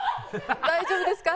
大丈夫ですか？